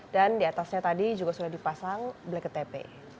dan diatasnya tadi juga sudah dipasang bktp